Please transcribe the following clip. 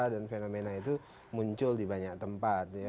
dan fenomena itu muncul di banyak tempat